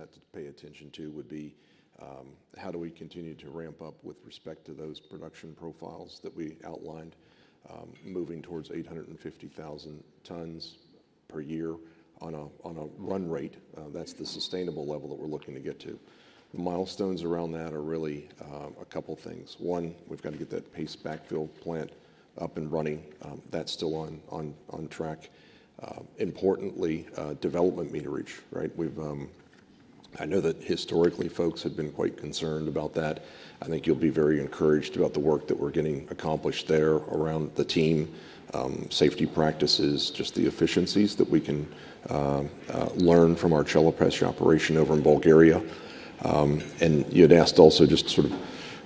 What to pay attention to would be how do we continue to ramp up with respect to those production profiles that we outlined, moving towards 850,000 tons per year on a run rate. That is the sustainable level that we are looking to get to. The milestones around that are really a couple things. One, we have got to get that paste backfill plant up and running. That is still on track. Importantly, development meterage, right? I know that historically folks have been quite concerned about that. I think you will be very encouraged about the work that we are getting accomplished there around the team, safety practices, just the efficiencies that we can learn from our Chelopech operation over in Bulgaria. You had asked also just to sort of,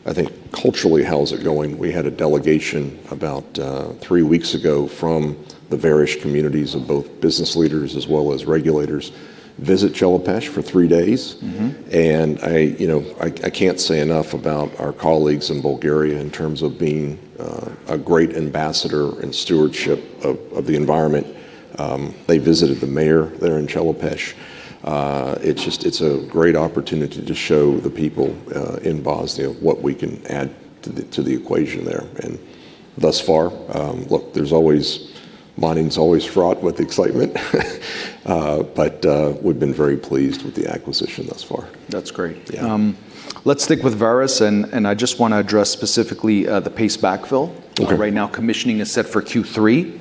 I think, culturally, how is it going? We had a delegation about three weeks ago from the various communities of both business leaders as well as regulators visit Chelopech for three days. I can't say enough about our colleagues in Bulgaria in terms of being a great ambassador in stewardship of the environment. They visited the mayor there in Chelopech. It's a great opportunity to show the people in Bosnia what we can add to the equation there. Thus far, look, mining's always fraught with excitement, but we've been very pleased with the acquisition thus far. That's great. Yeah. Let's stick with Vareš, and I just want to address specifically the paste backfill. Okay. Right now, commissioning is set for Q3.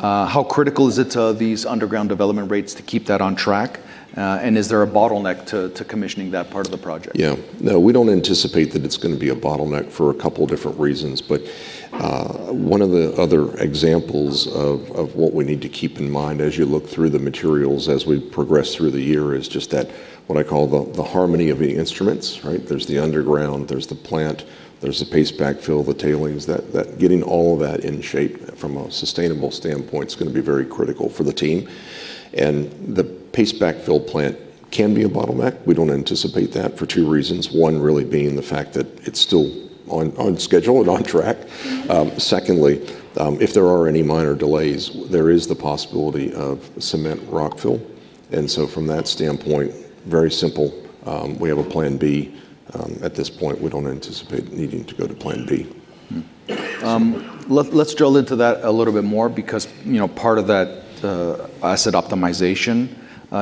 How critical is it to these underground development rates to keep that on track? Is there a bottleneck to commissioning that part of the project? Yeah. No, we don't anticipate that it's going to be a bottleneck for a couple different reasons. One of the other examples of what we need to keep in mind as you look through the materials, as we progress through the year, is just that what I call the harmony of the instruments, right? There's the underground, there's the plant, there's the paste backfill, the tailings. Getting all of that in shape from a sustainable standpoint is going to be very critical for the team. The paste backfill plant can be a bottleneck. We don't anticipate that for two reasons, one really being the fact that it's still on schedule and on track. Secondly, if there are any minor delays, there is the possibility of cemented rock fill. From that standpoint, very simple, we have a plan B. At this point, we don't anticipate needing to go to Plan B. Let's drill into that a little bit more because part of that asset optimization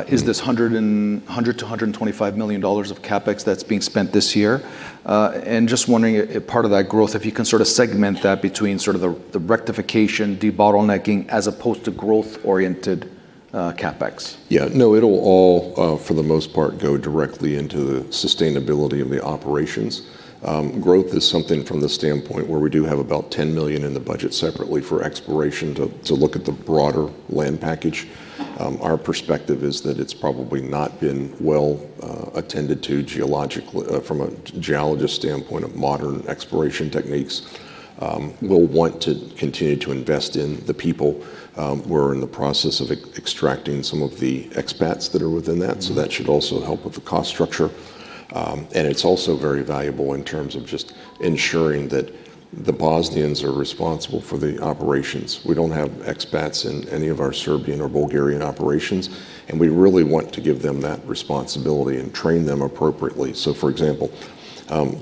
is this $100 million-$125 million of CapEx that's being spent this year. Just wondering if part of that growth, if you can sort of segment that between sort of the rectification, debottlenecking as opposed to growth-oriented CapEx? Yeah. No, it'll all, for the most part, go directly into the sustainability of the operations. Growth is something from the standpoint where we do have about $10 million in the budget separately for exploration to look at the broader land package. Our perspective is that it's probably not been well attended to from a geologist standpoint of modern exploration techniques. We'll want to continue to invest in the people. We're in the process of extracting some of the expats that are within that. That should also help with the cost structure. It's also very valuable in terms of just ensuring that the Bosnians are responsible for the operations. We don't have expats in any of our Serbian or Bulgarian operations, and we really want to give them that responsibility and train them appropriately. For example,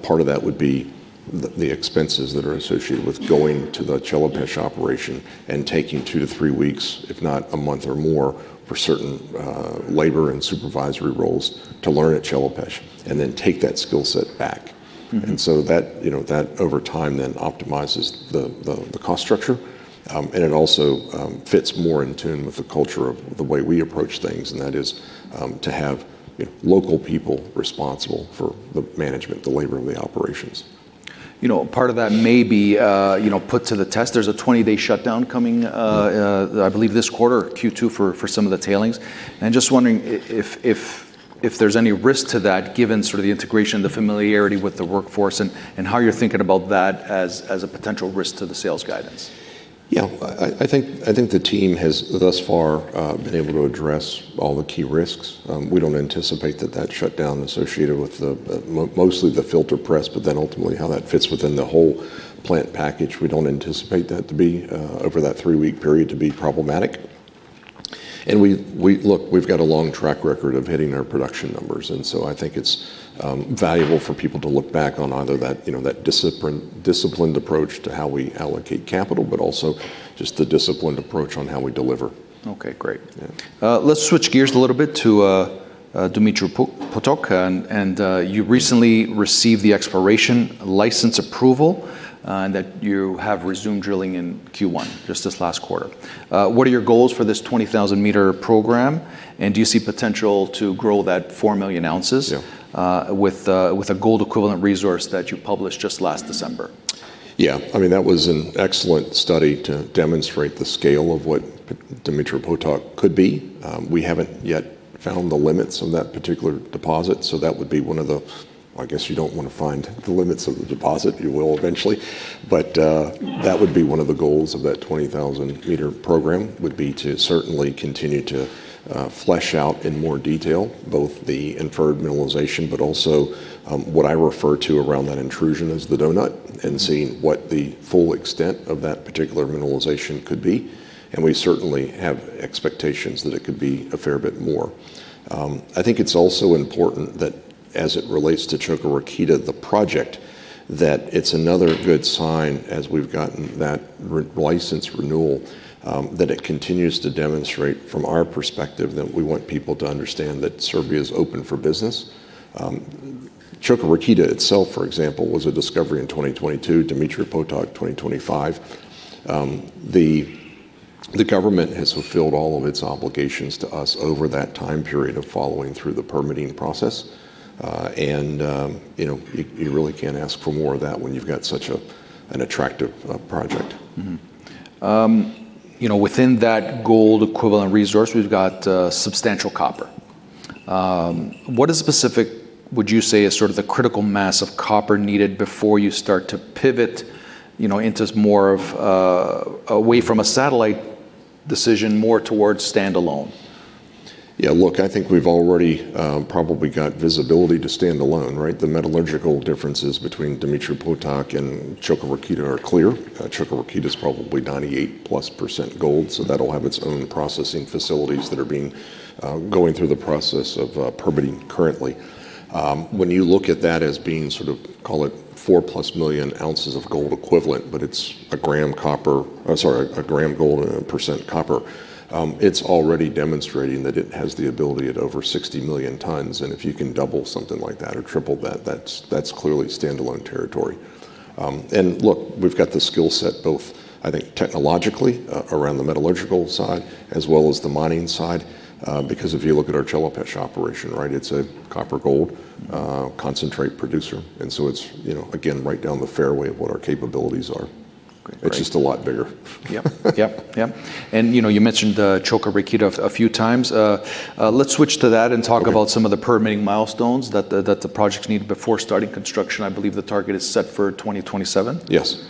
part of that would be the expenses that are associated with going to the Chelopech operation and taking two to three weeks, if not a month or more, for certain labor and supervisory roles to learn at Chelopech and then take that skill set back. That, over time, then optimizes the cost structure, and it also fits more in tune with the culture of the way we approach things, and that is to have local people responsible for the management, the labor of the operations. Part of that may be put to the test. There's a 20-day shutdown coming, I believe, this quarter, Q2, for some of the tailings. Just wondering if there's any risk to that given sort of the integration, the familiarity with the workforce, and how you're thinking about that as a potential risk to the sales guidance. Yeah. I think the team has thus far been able to address all the key risks. We don't anticipate that shutdown associated with mostly the filter press, but then ultimately how that fits within the whole plant package, we don't anticipate that to be, over that three-week period, to be problematic. Look, we've got a long track record of hitting our production numbers, and so I think it's valuable for people to look back on either that disciplined approach to how we allocate capital, but also just the disciplined approach on how we deliver. Okay, great. Yeah. Let's switch gears a little bit to Dumitru Potok. You recently received the exploration license approval that you have resumed drilling in Q1, just this last quarter. What are your goals for this 20,000-metre program, and do you see potential to grow that 4 million ounces? Yeah. With a gold equivalent resource that you published just last December? Yeah. That was an excellent study to demonstrate the scale of what Dumitru Potok could be. We haven't yet found the limits on that particular deposit. Well, I guess you don't want to find the limits of the deposit. You will eventually. That would be one of the goals of that 20,000-metre program, to certainly continue to flesh out in more detail both the inferred mineralization, but also what I refer to around that intrusion as the donut, and seeing what the full extent of that particular mineralization could be. We certainly have expectations that it could be a fair bit more. I think it's also important that as it relates to Čoka Rakita, the project, that it's another good sign, as we've gotten that license renewal, that it continues to demonstrate from our perspective that we want people to understand that Serbia is open for business. Čoka Rakita itself, for example, was a discovery in 2022, Dumitru Potok 2025. The Government has fulfilled all of its obligations to us over that time period of following through the permitting process. You really can't ask for more of that when you've got such an attractive project. Within that gold equivalent resource, we've got substantial copper. What is specific, would you say, is sort of the critical mass of copper needed before you start to pivot away from a satellite decision, more towards standalone? Yeah, look, I think we've already probably got visibility to standalone, right? The metallurgical differences between Dumitru Potok and Čoka Rakita are clear. Čoka Rakita is probably 98%+ gold, so that'll have its own processing facilities that are going through the process of permitting currently. When you look at that as being sort of, call it 4+ million ounces of gold equivalent, 1 gram gold and 1% copper, it's already demonstrating that it has the ability at over 60 million tons. If you can double something like that or triple that's clearly standalone territory. Look, we've got the skill set both, I think, technologically around the metallurgical side as well as the mining side. Because if you look at our Chelopech operation, it's a copper gold concentrate producer. It's, again, right down the fairway of what our capabilities are. Great. It's just a lot bigger. Yep. You mentioned Čoka Rakita a few times. Let's switch to that. Okay. Some of the permitting milestones that the projects need before starting construction, I believe the target is set for 2027. Yes.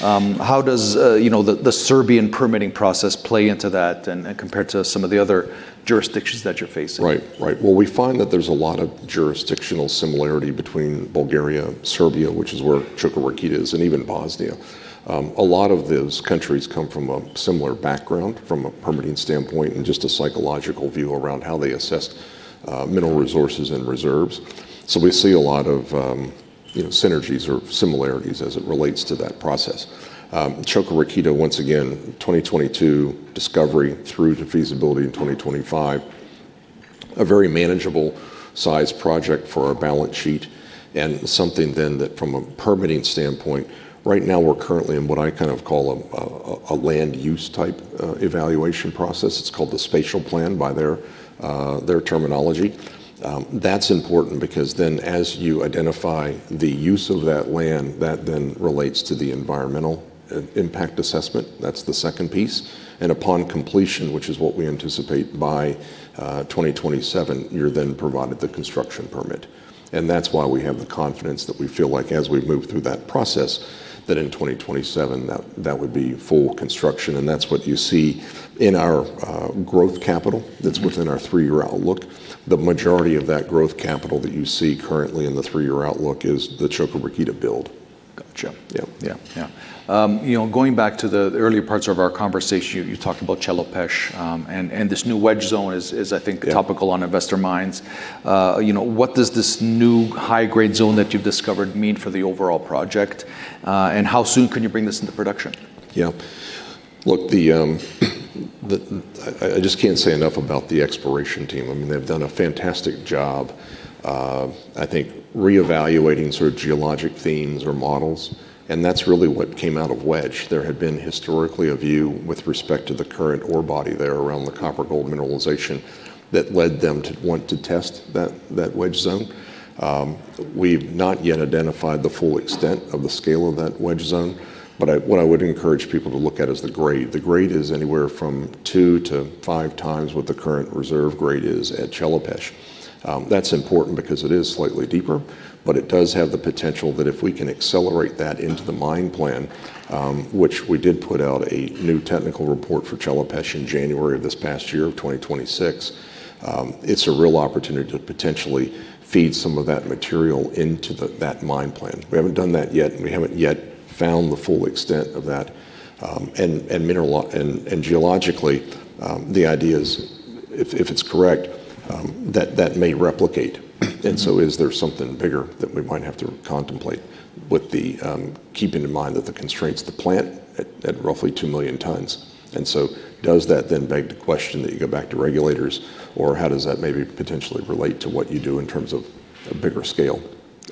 How does the Serbian permitting process play into that and compared to some of the other jurisdictions that you're facing? Right. Well, we find that there's a lot of jurisdictional similarity between Bulgaria, Serbia, which is where Čoka Rakita is, and even Bosnia. A lot of those countries come from a similar background from a permitting standpoint and just a psychological view around how they assess mineral resources and reserves. We see a lot of synergies or similarities as it relates to that process. Čoka Rakita, once again, 2022 discovery through to feasibility in 2025, a very manageable size project for our balance sheet and something then that from a permitting standpoint, right now, we're currently in what I kind of call a land use type evaluation process. It's called the spatial plan by their terminology. That's important because then as you identify the use of that land, that then relates to the environmental impact assessment. That's the second piece. Upon completion, which is what we anticipate by 2027, you're then provided the construction permit. That's why we have the confidence that we feel like as we move through that process, that in 2027, that would be full construction, and that's what you see in our growth capital that's within our three-year outlook. The majority of that growth capital that you see currently in the three-year outlook is the Čoka Rakita build. Gotcha. Yep. Yeah. Going back to the earlier parts of our conversation, you talked about Chelopech, and this new Wedge zone is, I think. Yeah. Topical on investor minds. What does this new high-grade zone that you've discovered mean for the overall project? How soon can you bring this into production? Yeah. Look, I just can't say enough about the exploration team. They've done a fantastic job of, I think, reevaluating geologic themes or models, and that's really what came out of Wedge. There had been historically a view with respect to the current orebody there around the copper-gold mineralization that led them to want to test that Wedge zone. We've not yet identified the full extent of the scale of that Wedge zone, but what I would encourage people to look at is the grade. The grade is anywhere from 2x-5x what the current reserve grade is at Chelopech. That's important because it is slightly deeper, but it does have the potential that if we can accelerate that into the mine plan, which we did put out a new technical report for Chelopech in January of this past year of 2026, it's a real opportunity to potentially feed some of that material into that mine plan. We haven't done that yet, and we haven't yet found the full extent of that. Geologically, the idea is, if it's correct, that that may replicate. Is there something bigger that we might have to contemplate, keeping in mind the constraints of the plant at roughly 2 million tons? Does that then beg the question that you go back to regulators, or how does that maybe potentially relate to what you do in terms of a bigger scale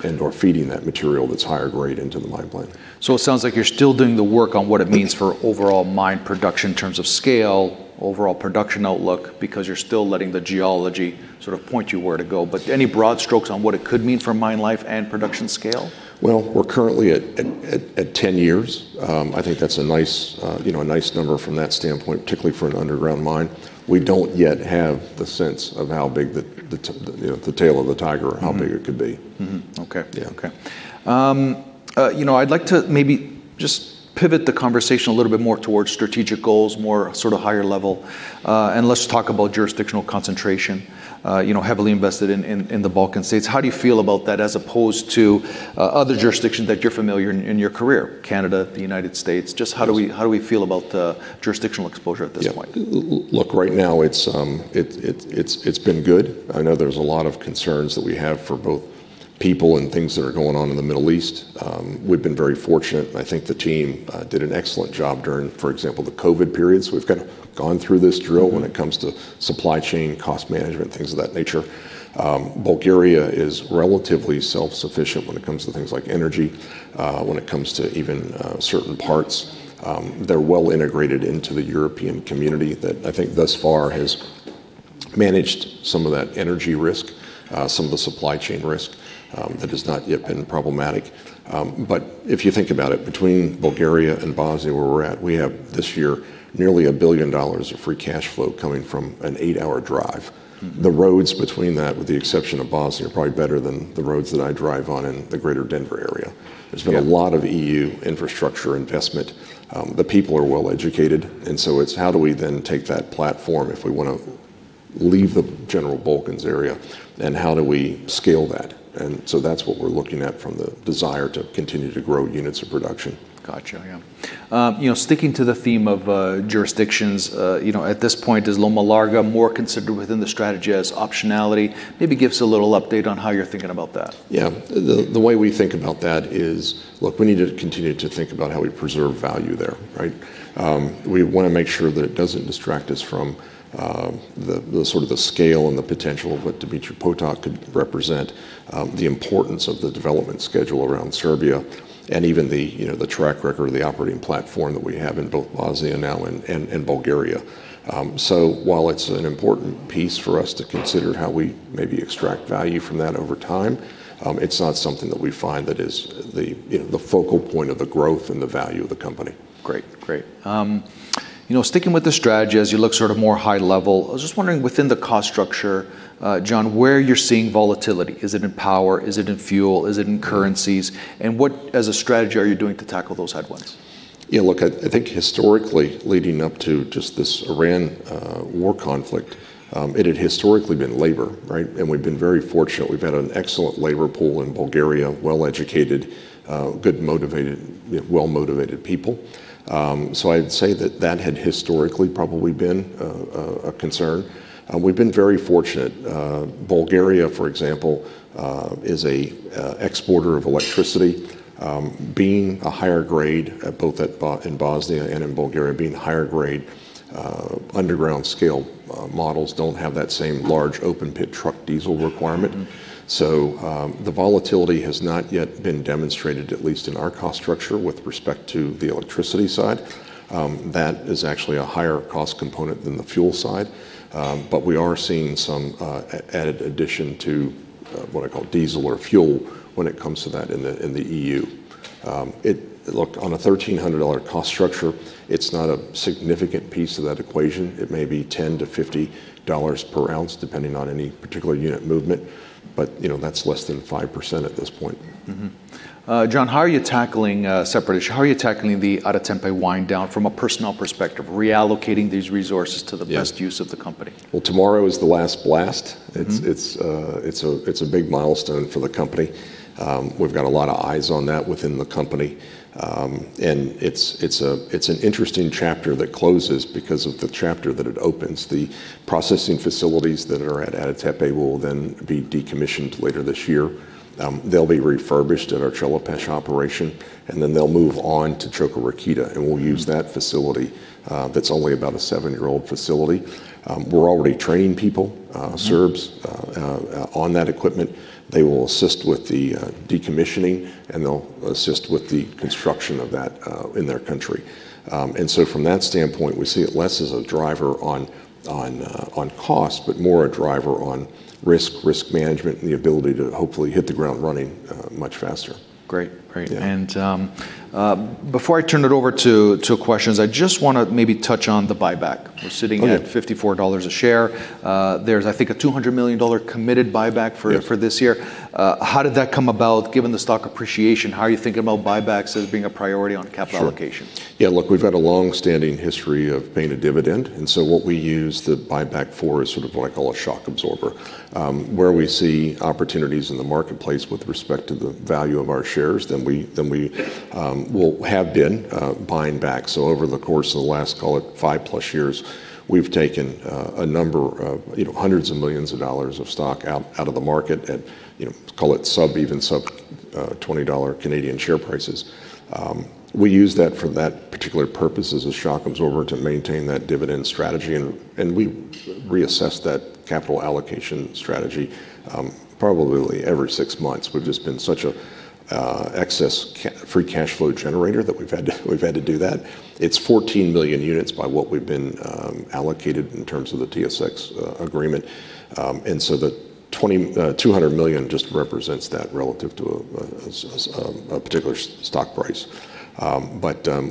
and/or feeding that material that's higher grade into the mine plan? It sounds like you're still doing the work on what it means for overall mine production in terms of scale, overall production outlook, because you're still letting the geology sort of point you where to go. Any broad strokes on what it could mean for mine life and production scale? Well, we're currently at 10 years. I think that's a nice number from that standpoint, particularly for an underground mine. We don't yet have the sense of how big the tail of the tiger, how big it could be. Okay. Yeah. Okay. I'd like to maybe just pivot the conversation a little bit more towards strategic goals, more sort of higher level, and let's talk about jurisdictional concentration. Heavily invested in the Balkan states, how do you feel about that as opposed to other jurisdictions that you're familiar in your career, Canada, the United States? Just how do we feel about the jurisdictional exposure at this point? Yeah. Look, right now it's been good. I know there's a lot of concerns that we have for both people and things that are going on in the Middle East. We've been very fortunate, and I think the team did an excellent job during, for example, the COVID periods. We've gone through this drill when it comes to supply chain, cost management, things of that nature. Bulgaria is relatively self-sufficient when it comes to things like energy, when it comes to even certain parts. They're well-integrated into the European community that I think thus far has managed some of that energy risk, some of the supply chain risk that has not yet been problematic. If you think about it, between Bulgaria and Bosnia, where we're at, we have this year nearly $1 billion of free cash flow coming from an eight-hour drive. The roads between that, with the exception of Bosnia, are probably better than the roads that I drive on in the Greater Denver area. Yeah. There's been a lot of EU infrastructure investment. The people are well-educated, and so it's how do we then take that platform if we want to leave the general Balkans area, and how do we scale that? That's what we're looking at from the desire to continue to grow units of production. Got you. Yeah. Sticking to the theme of jurisdictions, at this point, is Loma Larga more considered within the strategy as optionality? Maybe give us a little update on how you're thinking about that. Yeah. The way we think about that is, look, we need to continue to think about how we preserve value there, right? We want to make sure that it doesn't distract us from the scale and the potential of what Dumitru Potok could represent, the importance of the development schedule around Serbia, and even the track record of the operating platform that we have in both Bosnia now and Bulgaria. While it's an important piece for us to consider how we maybe extract value from that over time, it's not something that we find that is the focal point of the growth and the value of the company. Great. Sticking with the strategy as you look more high level, I was just wondering within the cost structure, John, where you're seeing volatility. Is it in power? Is it in fuel? Is it in currencies? What, as a strategy, are you doing to tackle those headwinds? Yeah, look, I think historically, leading up to just this Ukraine war conflict, it had historically been labor, right? We've been very fortunate. We've had an excellent labor pool in Bulgaria, well-educated, good, well-motivated people. I'd say that that had historically probably been a concern. We've been very fortunate. Bulgaria, for example, is an exporter of electricity. Being a higher grade at both in Bosnia and in Bulgaria, being higher-grade underground-scale models don't have that same large open-pit truck diesel requirement. The volatility has not yet been demonstrated, at least in our cost structure, with respect to the electricity side. That is actually a higher cost component than the fuel side. We are seeing some added addition to what I call diesel or fuel when it comes to that in the E.U. Look, on a $1,300 cost structure, it's not a significant piece of that equation. It may be $10-$50 per ounce, depending on any particular unit movement, but that's less than 5% at this point. John, separately, how are you tackling the Ada Tepe wind down from a personnel perspective, reallocating these resources? Yeah. Best use of the company? Well, tomorrow is the last blast. It's a big milestone for the company. We've got a lot of eyes on that within the company. It's an interesting chapter that closes because of the chapter that it opens. The processing facilities that are at Ada Tepe will then be decommissioned later this year. They'll be refurbished at our Chelopech operation, and then they'll move on to Čoka Rakita, and we'll use that facility that's only about a seven-year-old facility. We're already training people. Serbs on that equipment. They will assist with the decommissioning, and they'll assist with the construction of that in their country. From that standpoint, we see it less as a driver on cost, but more a driver on risk management, and the ability to hopefully hit the ground running much faster. Great. Yeah. Before I turn it over to questions, I just want to maybe touch on the buyback. Okay. We're sitting at $54 a share. There's, I think, a $200 million committed buyback. Yes. This year, how did that come about given the stock appreciation? How are you thinking about buybacks as being a priority on capital allocation? Sure. Yeah, look, we've had a long-standing history of paying a dividend. What we use the buyback for is sort of what I call a shock absorber, where we see opportunities in the marketplace with respect to the value of our shares, then we will have been buying back. Over the course of the last, call it five-plus years, we've taken a number of hundreds of millions of dollars of stock out of the market at, call it even sub-CAD 20 Canadian share prices. We use that for that particular purpose as a shock absorber to maintain that dividend strategy, and we reassess that capital allocation strategy probably every six months. We've just been such a excess free cash flow generator that we've had to do that. It's 14 million units by what we've been allocated in terms of the TSX agreement. The $200 million just represents that relative to a particular stock price.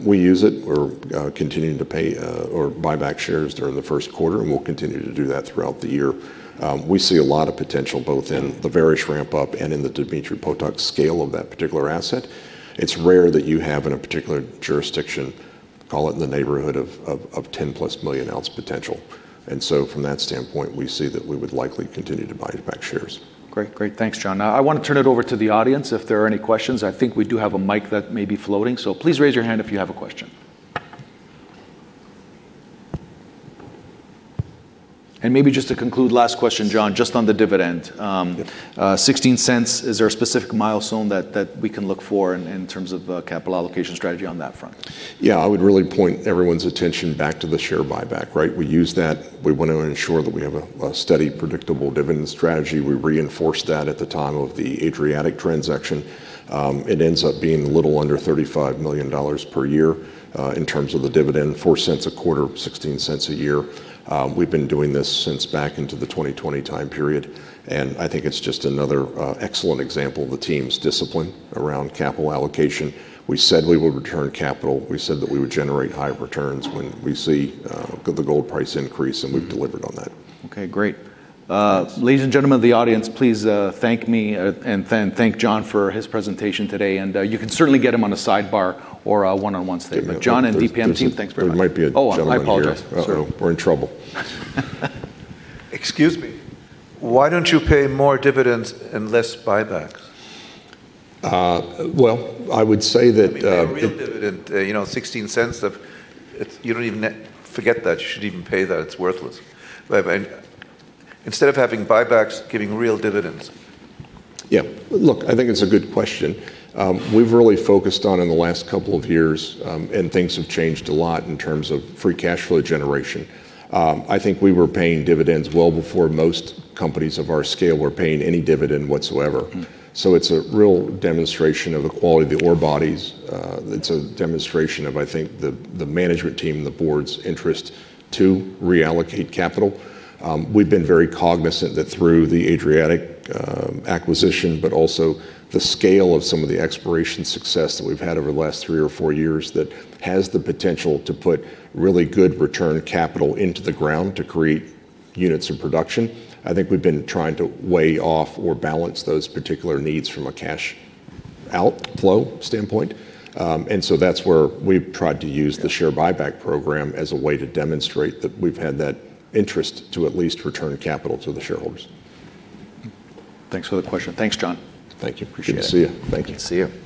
We use it. We're continuing to pay or buy back shares during the first quarter, and we'll continue to do that throughout the year. We see a lot of potential both in the Vareš ramp-up and in the Dumitru Potok scale of that particular asset. It's rare that you have in a particular jurisdiction, call it in the neighborhood of 10-plus million ounce potential. From that standpoint, we see that we would likely continue to buy back shares. Great. Thanks, John. Now, I want to turn it over to the audience if there are any questions. I think we do have a mic that may be floating, so please raise your hand if you have a question. Maybe just to conclude, last question, John, just on the dividend. $0.16, is there a specific milestone that we can look for in terms of capital allocation strategy on that front? Yeah, I would really point everyone's attention back to the share buyback. We use that. We want to ensure that we have a steady, predictable dividend strategy. We reinforced that at the time of the Adriatic transaction. It ends up being a little under $35 million per year in terms of the dividend, $0.04 a quarter, $0.16 a year. We've been doing this since back into the 2020 time period, and I think it's just another excellent example of the team's discipline around capital allocation. We said we would return capital. We said that we would generate high returns when we see the gold price increase, and we've delivered on that. Okay, great. Ladies and gentlemen of the audience, please thank me and thank John for his presentation today. You can certainly get him on a sidebar or a one-on-one statement. John and DPM team, thanks very much. There might be a gentleman here. Oh, I apologize, sir. Uh-oh, we're in trouble. Excuse me. Why don't you pay more dividends and less buybacks? Well, I would say that. I mean, a real dividend, $0.16, forget that. You shouldn't even pay that. It's worthless. Instead of having buybacks, giving real dividends. Yeah. Look, I think it's a good question. We've really focused on in the last couple of years, and things have changed a lot in terms of free cash flow generation. I think we were paying dividends well before most companies of our scale were paying any dividend whatsoever. It's a real demonstration of the quality of the ore bodies. It's a demonstration of, I think, the management team, the board's interest to reallocate capital. We've been very cognizant that through the Adriatic acquisition, but also the scale of some of the exploration success that we've had over the last three or four years that has the potential to put really good return capital into the ground to create units of production. I think we've been trying to weigh off or balance those particular needs from a cash outflow standpoint. That's where we've tried to use the share buyback program as a way to demonstrate that we've had that interest to at least return capital to the shareholders. Thanks for the question. Thanks, John. Thank you. Appreciate it. Good to see you. Thank you. Good to see you.